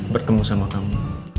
bertemu sama kamu